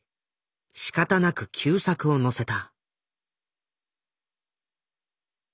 しかたなく旧作を載せた。